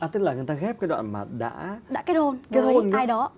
tức là người ta ghép cái đoạn mà đã kết hôn với ai đó